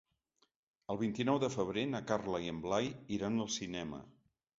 El vint-i-nou de febrer na Carla i en Blai iran al cinema.